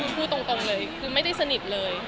พูดตรงเลยคือไม่ได้สนิทเลย